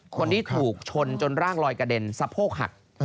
คนที่ถูกชนจนร่างลอยกระเด็นสะโพกหัก